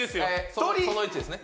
その位置ですね？